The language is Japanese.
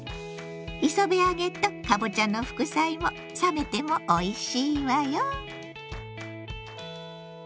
磯辺揚げとかぼちゃの副菜も冷めてもおいしいわよ！